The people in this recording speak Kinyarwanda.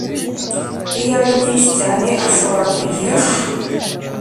iyo ariye byinshi cyane ashobora kugira